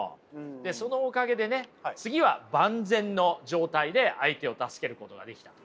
でそのおかげでね次は万全の状態で相手を助けることができたと。